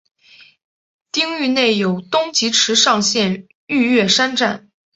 町域内有东急池上线御岳山站。